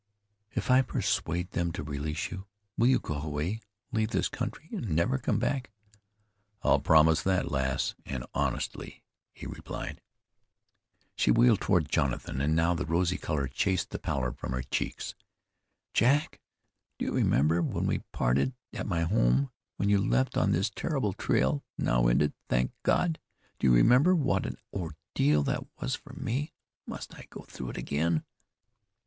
"If I persuade them to release you, will you go away, leave this country, and never come back?" "I'll promise that, lass, and honestly," he replied. She wheeled toward Jonathan, and now the rosy color chased the pallor from her cheeks. "Jack, do you remember when we parted at my home; when you left on this terrible trail, now ended, thank God! Do you remember what an ordeal that was for me? Must I go through it again?"